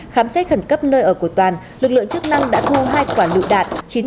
khám xét khẩn cấp nơi ở của toàn lực lượng chức năng đã thu hai quả lựu đạn